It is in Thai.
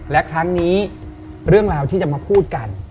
และครั้งนี้เรื่องราวที่จะมาพูดกัน